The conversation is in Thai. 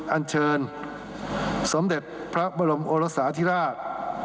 อันเชิญสมเด็จพระบรมโอรสาธิราช